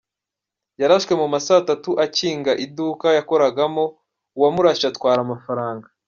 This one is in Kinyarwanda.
Yarashwe mu ma saa tatu akinga iduka yakoragamo, uwamurashe atwara amafaranga.